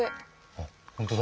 あほんとだ！